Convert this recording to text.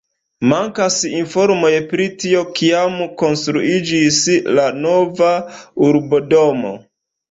Mankas informoj pri tio, kiam konstruiĝis la nova urbodomo.